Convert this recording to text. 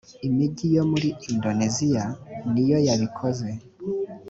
imigi yo muri indoneziya niyoyabikoze.